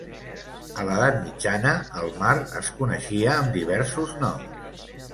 A l'Edat Mitjana, el mar es coneixia amb diversos noms.